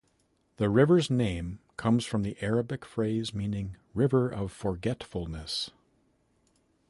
The river's name comes from the Arabic phrase meaning "River of Forgetfulness".